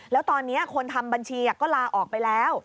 แล้วตอนนี้คนทำบัญชีก็ลาออกไปแล้ว